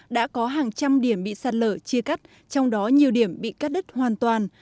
đã có hàng trăm điểm bị sạt lở chia cắt trong đó nhiều điểm bị cắt đứt hoàn toàn